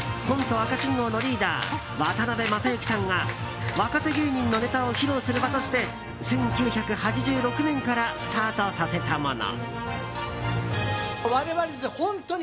赤信号のリーダー渡辺正行さんが若手芸人のネタを披露する場として１９８６年からスタートさせたもの。